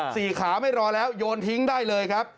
ขาไม่รอแล้วโยนทิ้งได้เลยครับ